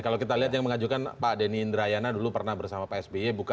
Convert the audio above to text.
kalau kita lihat yang mengajukan pak denny indrayana dulu pernah bersama pak sby